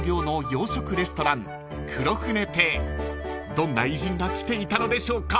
［どんな偉人が来ていたのでしょうか］